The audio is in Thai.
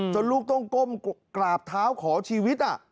ลูกต้องก้มกราบเท้าขอชีวิต